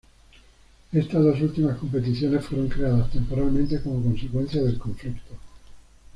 Estas dos últimas competiciones fueron creadas temporalmente como consecuencia del conflicto.